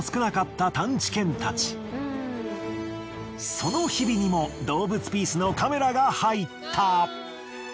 その日々にも『どうぶつピース！！』のカメラが入った。